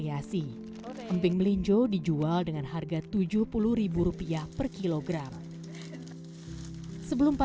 delapan puluh jadi ini sudah berapa lama